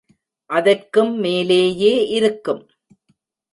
அதற்கும் மேலேயே இருக்கும்.